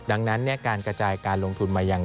ดังนั้นการกระจายการลงทุน